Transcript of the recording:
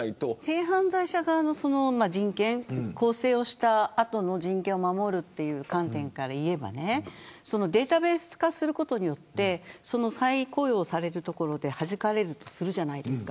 性犯罪者側の人権更生した後の人権を守るという観点から言えばデータベース化することによって再雇用されるところではじかれるとするじゃないですか。